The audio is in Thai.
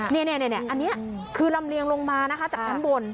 นี่อันนี้คือลำเลียงลงมานะคะจากชั้นบน